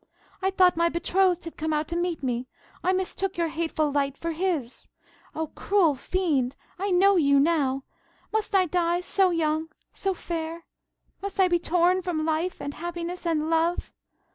"I thought my betrothed had come out to meet me. I mistook your hateful light for his. Oh, cruel fiend, I know you now! Must I die so young, so fair? Must I be torn from life, and happiness, and love?